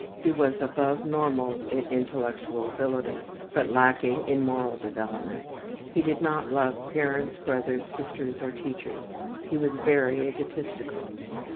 He was above normal in intellectual ability, but lacking in moral development. He did not love parents, brothers, sisters, or teachers; he was very egotistical.